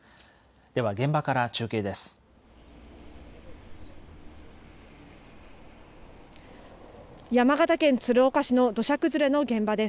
では現場から中継です。